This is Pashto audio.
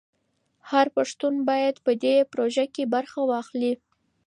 هر پښتون باید په دې پروژه کې برخه واخلي.